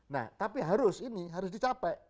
nah tapi harus ini harus dicapai